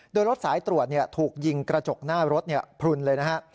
โดยรถสายตรวจถูกยิงกระจกหน้ารถพลุนเลยนะฮะ